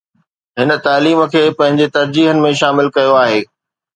هن تعليم کي پنهنجي ترجيحن ۾ شامل ڪيو آهي.